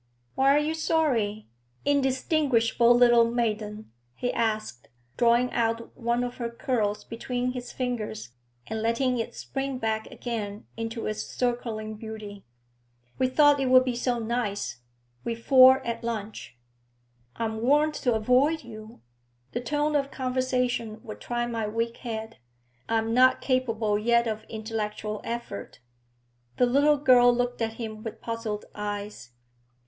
'Why are you sorry, indistinguishable little maiden?' he asked, drawing out one of her curls between his fingers, and letting it spring back again into its circling beauty. 'We thought it would be so nice, we four at lunch.' 'I am warned to avoid you. The tone of conversation would try my weak head; I am not capable yet of intellectual effort.' The little girl looked at him with puzzled eyes.